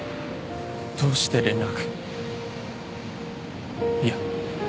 どうして連絡いや